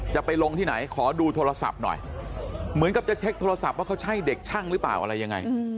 จะไปลงที่ไหนขอดูโทรศัพท์หน่อยเหมือนกับจะเช็คโทรศัพท์ว่าเขาใช่เด็กช่างหรือเปล่าอะไรยังไง